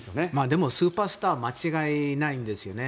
でも、スーパースターは間違いないんですよね。